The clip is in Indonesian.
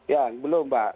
ya belum pak